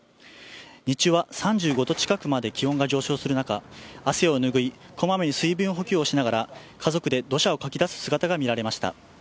日中は３５度近くまで気温が上昇する中汗を拭い、こまめに水分補給をしながら家族で土砂をかき出す姿が見られました。